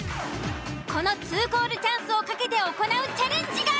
この２コールチャンスを懸けて行うチャレンジが。